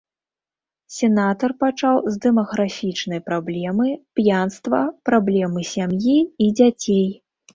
Сенатар пачаў з дэмаграфічнай праблемы, п'янства, праблемы сям'і і дзяцей.